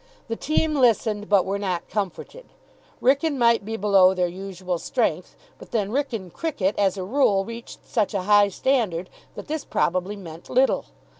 The team listened, but were not comforted. Wrykyn might be below their usual strength, but then Wrykyn cricket, as a rule, reached such a high standard that this probably meant little.